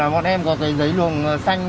một em có cái giấy lùng xanh